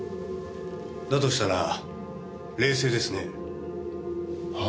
したら冷静ですね。は？